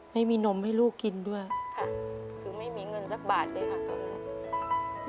ไม่มีนมให้ลูกกินด้วยค่ะคือไม่มีเงินสักบาทเลยค่ะตอนนี้